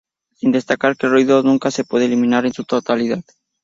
Sin descartar que el ruido nunca se puede eliminar en su totalidad.